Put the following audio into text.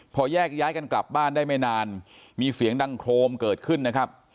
พอแยกย้ายกันกลับบ้านได้ไม่นานมีเสียงดังโครมเกิดขึ้นนะครับ